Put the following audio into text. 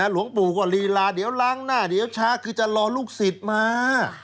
หลวงปู่ก็ลีลาเดี๋ยวล้างหน้าเดี๋ยวช้าคือจะรอลูกศิษย์มา